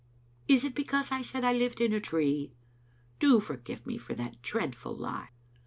Is it because I said I lived in a tree? Do forgive me for that dreadful lie."